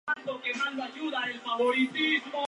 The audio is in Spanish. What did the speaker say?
En las aguas abundan las truchas.